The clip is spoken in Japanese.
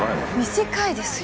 短いですよ！